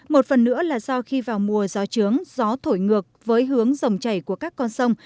một phần nữa là do khi vào mùa gió trướng gió thổi ngược với hướng dòng chảy của các con sông